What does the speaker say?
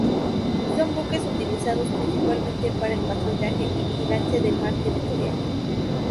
Son buques utilizados principalmente para el patrullaje y vigilancia del mar territorial.